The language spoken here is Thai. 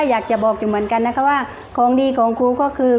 อยากจะบอกอยู่เหมือนกันนะคะว่าของดีของครูก็คือ